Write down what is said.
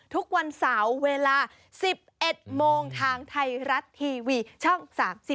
ทุกวันเสาร์เวลา๑๑โมงทางไทยรัฐทีวีช่อง๓๒